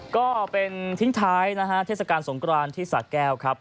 ก็เป็นทิ้งท้ายนะฮะเทศกาลสงกรานที่สะแก้วครับ